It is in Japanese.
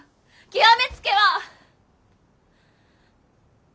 極めつけは。